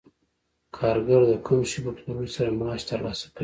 کارګر د کوم شي په پلورلو سره معاش ترلاسه کوي